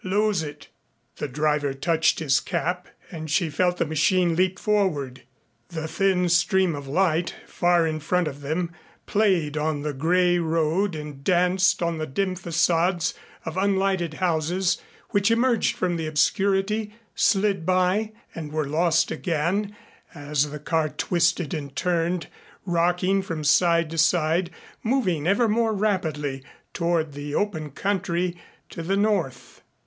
Lose it." The driver touched his cap and she felt the machine leap forward. The thin stream of light far in front of them played on the gray road and danced on the dim façades of unlighted houses which emerged from the obscurity, slid by and were lost again as the car twisted and turned, rocking from side to side, moving ever more rapidly toward the open country to the north.